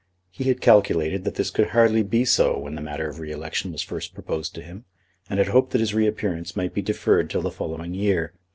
He had calculated that this could hardly be so when the matter of re election was first proposed to him, and had hoped that his reappearance might be deferred till the following year.